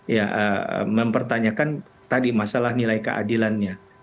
ya mempertanyakan tadi masalah nilai keadilannya